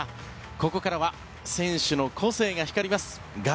ここからは選手の個性が光ります